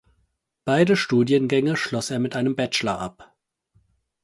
Beide Studiengänge schloss er mit einem Bachelor ab.